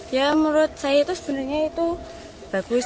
ya menurut saya itu sebenarnya itu bagus